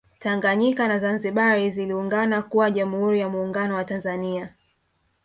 Tanganyika na Zanzibar ziliungana kuwa Jamhuri ya Muungano wa Tanzania